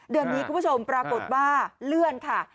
เดือนนี้คุณผู้ชมปรากฏว่าเลื่อนค่ะ